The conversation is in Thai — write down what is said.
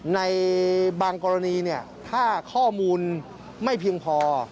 ในบางกรณีถ้าข้อมูลไม่เพียงพอ